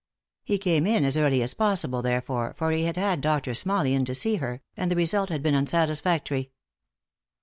He came in as early as possible, therefore, for he had had Doctor Smalley in to see her, and the result had been unsatisfactory.